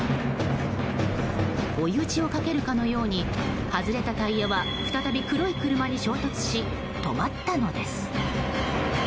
追い打ちをかけるかのように外れたタイヤは再び黒い車に衝突し止まったのです。